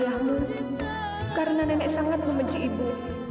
tapi kamu bisa mengingatkan thinu karena nenek sangat membenci ibu